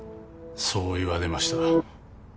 そう言われました